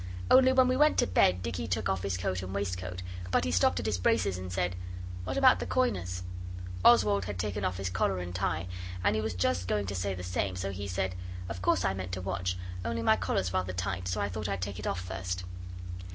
Only when we went to bed Dicky took off his coat and waistcoat, but he stopped at his braces, and said 'What about the coiners?' Oswald had taken off his collar and tie, and he was just going to say the same, so he said, 'Of course I meant to watch, only my collar's rather tight, so I thought I'd take it off first.